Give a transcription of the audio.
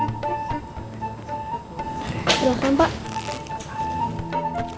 untuk dulu ya pak